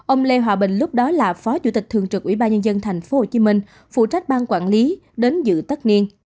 ông lê hòa bình lúc đó là phó chủ tịch thường trực ubnd tp hcm phụ trách ban quản lý đến dự tất niên